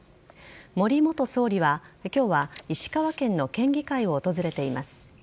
森元総理は今日は石川県の県議会を訪れています。